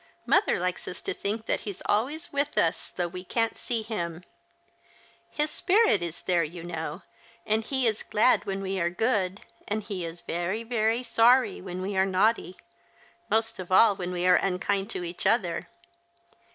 Mother likes us to think that he's always with us, though we can't see him. His spirit is there, you know, and he is glad when we are good, and he is very, very sorry when we are naughty — most of all a^ hen we are unkind to each other.